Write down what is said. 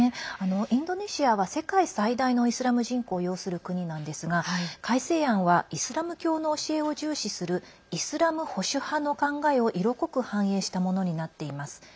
インドネシアは世界最大のイスラム人口を擁する国なんですが改正案はイスラム教の教えを重視するイスラム保守派の考えを色濃く反映したものになっています。